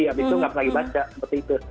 habis itu nggak pernah dibaca seperti itu